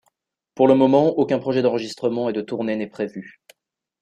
Pour le moment, aucun projet d'enregistrement et de tournée n'est prévu.